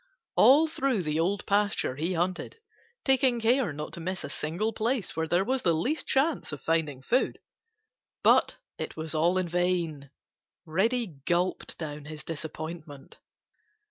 All through the Old Pasture he hunted, taking care not to miss a single place where there was the least chance of finding food. But it was all in vain. Reddy gulped down his disappointment.